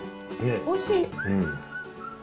おいしい。